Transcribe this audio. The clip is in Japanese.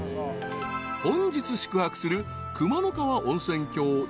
［本日宿泊する］